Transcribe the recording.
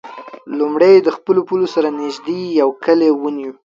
لومړی یې د خپلو پولو سره نژدې یو کلی ونیو.